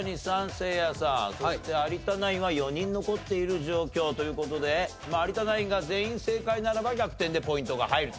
せいやさんそして有田ナインは４人残っている状況という事で有田ナインが全員正解ならば逆転でポイントが入ると。